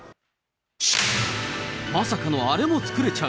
まさかのあれも作れちゃう。